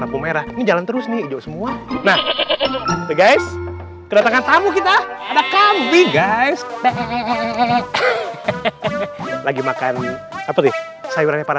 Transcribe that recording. aku merah jalan terus nih semua nah guys kedatangan tamu kita ada kami guys lagi makan sayurannya para